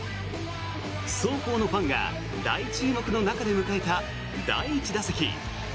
双方のファンが大注目の中で迎えた第１打席。